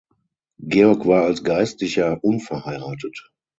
Georg war als Geistlicher unverheiratet.